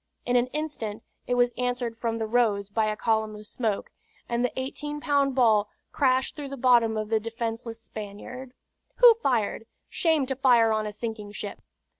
In an instant it was answered from the Rose by a column of smoke, and the eighteen pound ball crashed through the bottom of the defenceless Spaniard. "Who fired? Shame to fire on a sinking ship!"